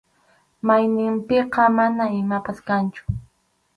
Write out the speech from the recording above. Mayninpiqa mana imapas kanchu.